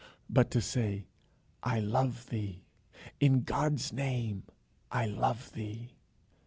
but to say "I love thee; in God's name I love thee."